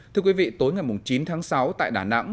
thưa quý vị tối ngày chín tháng sáu tại đà nẵng